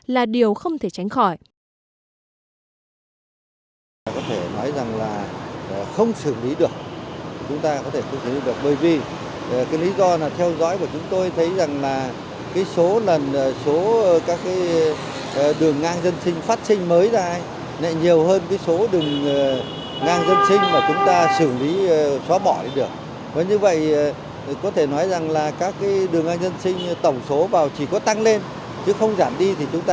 là điều không thể tránh khỏi